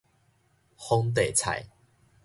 皇帝菜